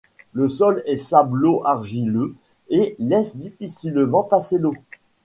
Le sol est sablo-argileux et laisse difficilement passer l'eau.